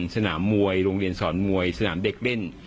สนามมวยโรงเรียนสอนมวยสนามเด็กเล่น